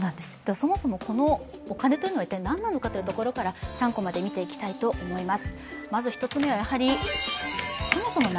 そもそも、このお金というのは一体何なのかというところから３コマで見ていきたいと思います。